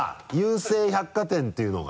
成百貨店っていうのが？